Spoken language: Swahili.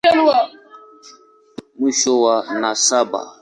Mwisho wa nasaba.